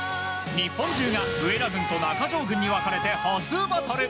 日本中が上田軍と中条軍に分かれて歩数バトル。